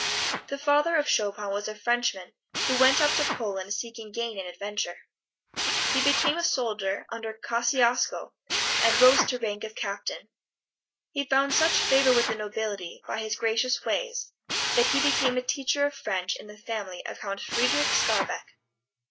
The father of Chopin was a Frenchman who went up to Poland seeking gain and adventure. He became a soldier under Kosciusko and arose to rank of Captain. He found such favor with the nobility by his gracious ways that he became a teacher of French in the family of Count Frederic Skarbek.